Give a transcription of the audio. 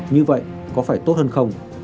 như vậy có phải tốt hơn không